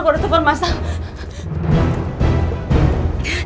aku udah tukar masak